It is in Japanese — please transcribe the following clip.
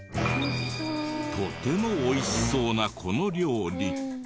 とても美味しそうなこの料理。